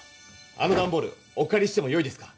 あのダンボールおかりしてもよいですか？